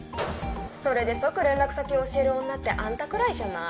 それで即連絡先を教える女ってアンタくらいじゃない？